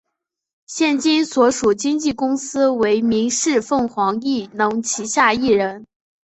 现今所属经纪公司为民视凤凰艺能旗下艺人。